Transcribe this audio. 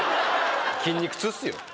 筋肉痛っすよ